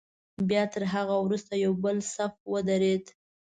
بیا تر هغه وروسته یو بل صف ودرېد.